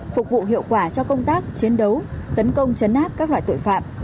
phục vụ hiệu quả cho công tác chiến đấu tấn công chấn áp các loại tội phạm